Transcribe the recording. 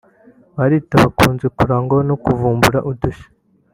Ba Rita bakunze kurangwa no kuvumbura udushya